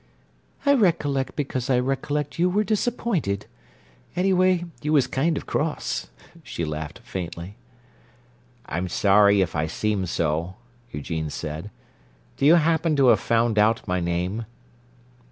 "I recollect because I recollect you was disappointed. Anyway, you was kind of cross." She laughed faintly. "I'm sorry if I seemed so," Eugene said. "Do you happen to have found out my name?"